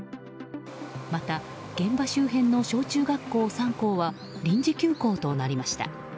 また、現場周辺の小中学校３校は臨時休校となりました。